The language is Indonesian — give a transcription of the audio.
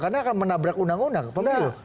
karena akan menabrak undang undang pemilu